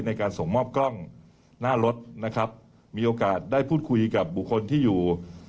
ในการส่งมอบกล้องหน้ารถนะครับมีโอกาสได้พูดคุยกับบุคคลที่อยู่